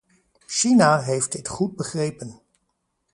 China heeft dit goed begrepen.